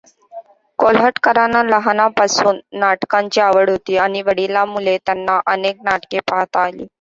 कोल्हटकरांना लहानपणापासून नाटकांची आवड होती आणि वडिलांमुळे त्यांना अनेक नाटके पाहता आली.